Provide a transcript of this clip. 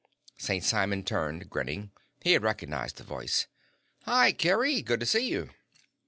St. Simon turned, grinning. He had recognized the voice. "Hi, Kerry. Good to see you."